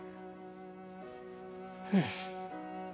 うん。